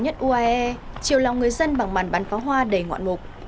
như tòa nhà cao nhất uae chiều lòng người dân bằng màn bán pháo hoa đầy ngoạn mục